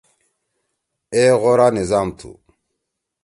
اے غورا نظام تُھو۔